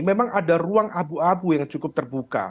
memang ada ruang abu abu yang cukup terbuka